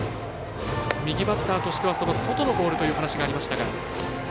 右バッターとしては外のボールという話がありました。